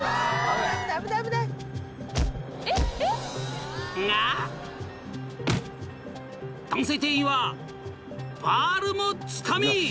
［男性店員はバールもつかみ］